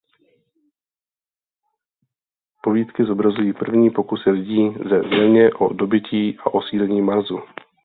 Povídky zobrazují první pokusy lidí ze Země o dobytí a osídlení Marsu.